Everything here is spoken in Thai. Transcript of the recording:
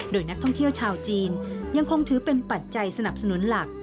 โดยนักท่องเที่ยวชาวจีนยังคงถือเป็นปัจจัยสนับสนุนหลัก